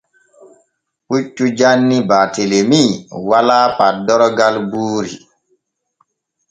Puccu janni Baatelemi walaa paddorgal buuri.